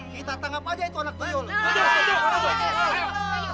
kita tanggap aja itu anak toyol